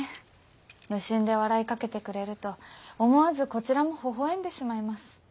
無心で笑いかけてくれると思わずこちらもほほえんでしまいます。